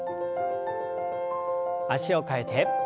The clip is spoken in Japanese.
脚を替えて。